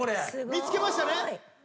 見つけましたね。